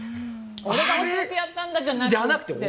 俺が教えてやったんだじゃなくてね。